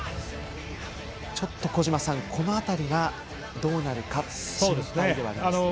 ちょっと小島さん、この辺りがどうなるか心配ではありますね。